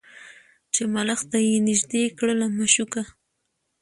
چي ملخ ته یې نیژدې کړله مشوکه